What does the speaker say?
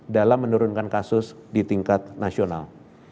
dalam menurunkan kasus di tingkat nasional